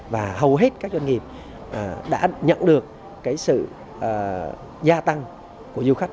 và hầu hết các doanh nghiệp đã nhận được sự gia tăng của du khách